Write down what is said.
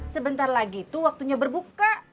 sebentar lagi tuh waktunya berbuka